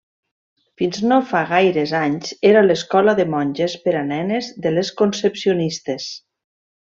Fins no fa gaires anys era l'escola de monges per a nenes de les concepcionistes.